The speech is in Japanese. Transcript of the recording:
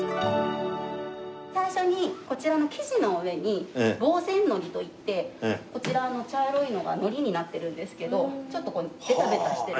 最初にこちらの生地の上に防染糊といってこちらの茶色いのが糊になってるんですけどちょっとベタベタしてる。